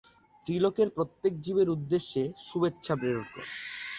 ত্রিলোকের প্রত্যেক জীবের উদ্দেশ্যে শুভেচ্ছা প্রেরণ কর।